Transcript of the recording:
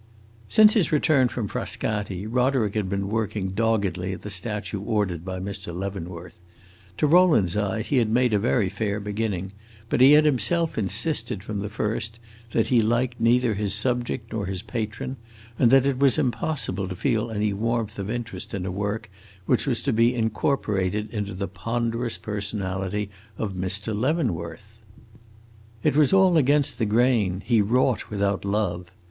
Since his return from Frascati, Roderick had been working doggedly at the statue ordered by Mr. Leavenworth. To Rowland's eye he had made a very fair beginning, but he had himself insisted, from the first, that he liked neither his subject nor his patron, and that it was impossible to feel any warmth of interest in a work which was to be incorporated into the ponderous personality of Mr. Leavenworth. It was all against the grain; he wrought without love.